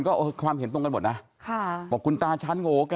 ก็ความเห็นตรงกันหมดนะค่ะบอกคุณตาฉันโหแก